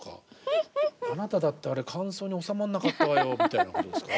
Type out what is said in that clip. あなただってあれ間奏に収まんなかったわよみたいなことですか。